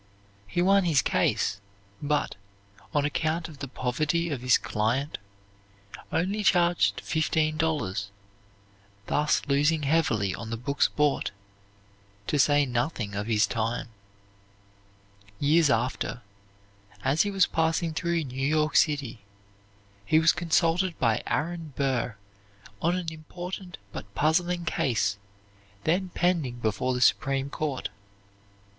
He won his case, but, on account of the poverty of his client, only charged fifteen dollars, thus losing heavily on the books bought, to say nothing of his time. Years after, as he was passing through New York City, he was consulted by Aaron Burr on an important but puzzling case then pending before the Supreme Court.